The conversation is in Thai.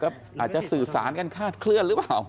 อาจจะสื่อสารกันคาดเคลื่อนหรือเปล่า